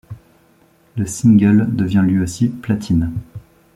Le single devient lui aussi platine.